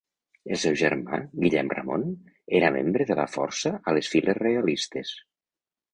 El seu germà, Guillem Ramon, era membre de la Força a les files realistes.